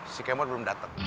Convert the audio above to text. si kmod belum dateng